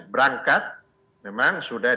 berangkat memang sudah